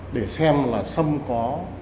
để xem là sâm có